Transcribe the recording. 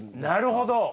なるほど。